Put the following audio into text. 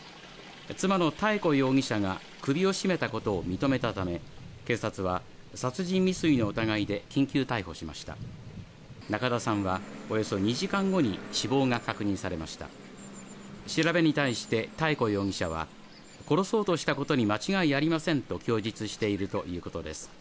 妻の妙子容疑者が首を絞めたことを認めたため警察は殺人未遂の疑いで緊急逮捕しました中田さんはおよそ２時間後に死亡が確認されました調べに対して妙子容疑者は殺そうとしたことに間違いありませんと供述しているということです